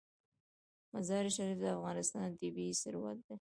مزارشریف د افغانستان طبعي ثروت دی.